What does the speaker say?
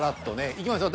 いきましょう。